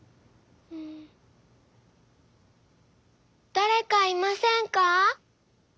「だれかいませんか？」。